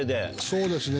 そうですね